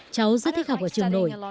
cháu rất thích học ở trường nổi